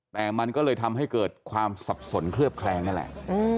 แต่มันก็เลยทำให้เกิดความสับสนเคลือบแคลงนั่นแหละ